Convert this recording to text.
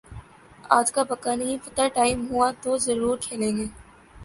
آج کا پکا نہیں پتا، ٹائم ہوا تو زرور کھیلیں گے۔